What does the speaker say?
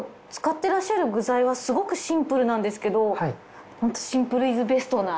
てらっしゃる具材はすごくシンプルなんですけどホントシンプルイズベストな。